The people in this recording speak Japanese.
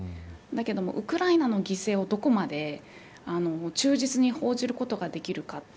だけど、ウクライナの犠牲をどこまで忠実に報じることができるか。